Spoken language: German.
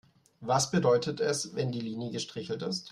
Was bedeutet es, wenn die Linie gestrichelt ist?